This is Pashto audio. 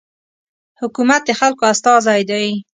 حکومت د خلکو استازی دی.